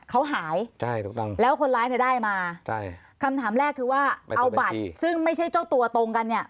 เขาหายแล้วคนร้ายมันได้มาคำถามแรกคือว่าเอาบัตรซึ่งไม่ใช่เจ้าตัวตรงกันเนี่ย